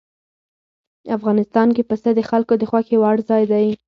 افغانستان کې پسه د خلکو د خوښې وړ ځای دی.